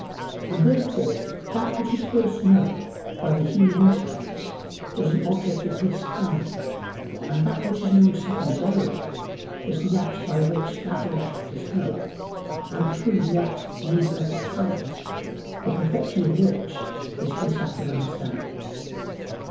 And therefore that which is first known by the human intellect is an object of this kind, and that which is known secondarily is the act by which that object is known; and through the act the intellect itself is known, the perfection of which is this act of understanding.